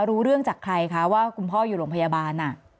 รู้เรื่องจากใครคะว่าคุณพ่ออยู่โรงพยาบาล